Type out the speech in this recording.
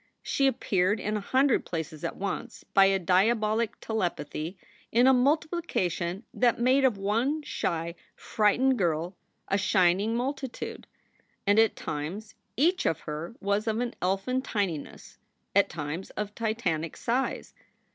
She appeared in a hundred places at once by a diabolic telepathy in a multiplication that made of one shy, frightened girl a shining multitude. And at times each of her was of an elfin tininess, at times of titanic size.